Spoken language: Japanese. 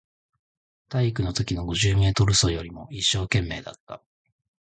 体育のときの五十メートル走よりも一生懸命だった